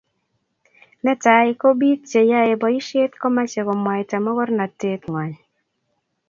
Netai ko bik che yae boishet komache komwaita magornatet ngwai